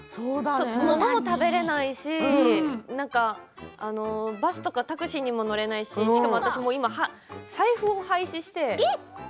ものも食べられないしバスとかタクシーにも乗れないししかも私、財布を廃止して。